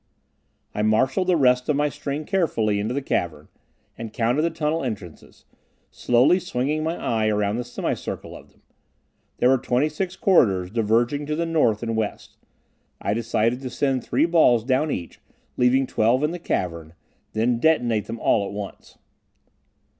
I marshalled the rest of my string carefully into the cavern, and counted the tunnel entrances, slowly swinging my "eye" around the semicircle of them. There were 26 corridors diverging to the north and west. I decided to send three balls down each, leave 12 in the cavern, then detonate them all at once.